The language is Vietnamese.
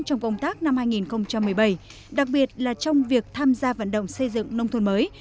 trong công tác năm hai nghìn một mươi bảy đặc biệt là trong việc tham gia vận động xây dựng nông thôn mới